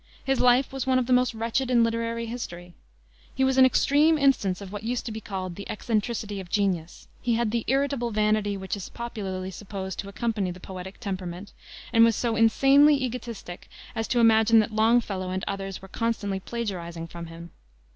His life was one of the most wretched in literary history. He was an extreme instance of what used to be called the "eccentricity of genius." He had the irritable vanity which is popularly supposed to accompany the poetic temperament, and was so insanely egotistic as to imagine that Longfellow and others were constantly plagiarizing from him.